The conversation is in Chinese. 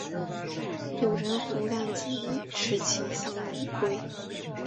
友人洪亮吉持其丧以归。